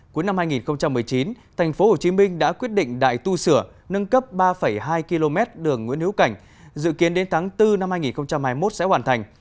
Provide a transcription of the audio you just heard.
cuối năm hai nghìn một mươi chín tp hcm đã quyết định đại tu sửa nâng cấp ba hai km đường nguyễn hữu cảnh dự kiến đến tháng bốn năm hai nghìn hai mươi một sẽ hoàn thành